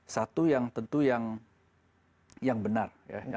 satu yang tentu yang benar